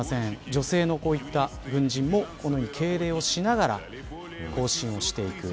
女性の、こういった軍人も敬礼をしながら行進をしていく。